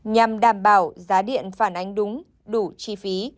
nhằm đảm bảo giá điện phản ánh đúng đủ chi phí